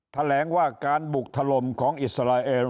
แถลงว่าการบุกถล่มของอิสราเอล